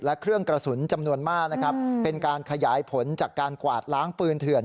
และเครื่องกระสุนจำนวนมากนะครับเป็นการขยายผลจากการกวาดล้างปืนเถื่อน